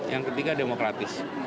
yang ketiga demokratis